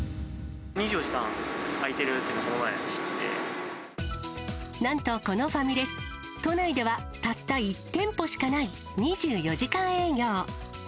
２４時間、開いてるっていうなんとこのファミレス、都内ではたった１店舗しかない２４時間営業。